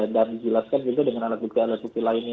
dan dijelaskan juga dengan alat bukti alat bukti lainnya